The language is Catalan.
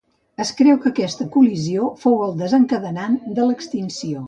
Es creu que aquesta col·lisió fou el desencadenant de l'extinció.